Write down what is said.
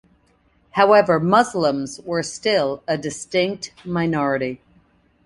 However Muslims were still a distinct minority.